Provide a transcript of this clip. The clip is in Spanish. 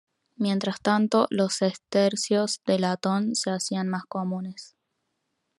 Mientras tanto los sestercios de latón se hacían más comunes.